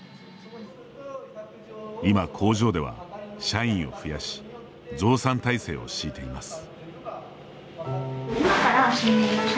今、工場では、社員を増やし増産体制を敷いています。